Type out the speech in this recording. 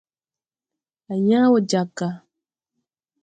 Á yãã wo jag ga.